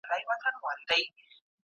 تاسې هم په خپل کار کې دوام وکړئ.